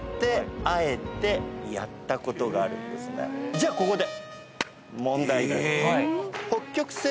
じゃここで。